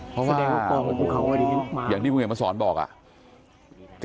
เพราะว่าอย่างที่วุ่งวิธีวิทยาสถ์มาสอนบอก